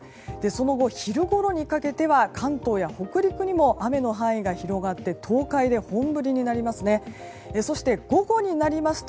その後、昼ごろにかけては関東や北陸にも雨の範囲が広がって東海で本降りになります。